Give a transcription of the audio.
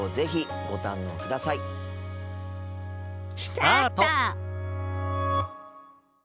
スタート！